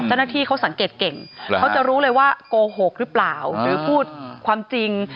เจ้าหน้าที่เขาสังเกตเก่งเขาจะรู้เลยว่าโกหกหรือเปล่าหรือพูดความจริง